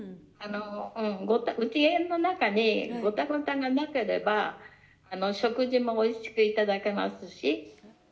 うちのなかでごたごたがなければ、食事もおいしく頂けますし。